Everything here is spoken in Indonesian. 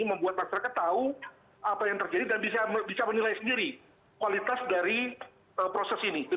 membuat masyarakat tahu apa yang terjadi dan bisa menilai sendiri kualitas dari proses ini